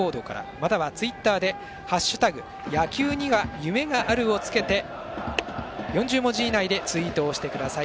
またはツイッターで「＃野球には夢がある」をつけて４０文字以内でツイートしてください。